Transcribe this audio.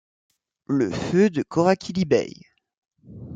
le feu de Corrakilly-Bay.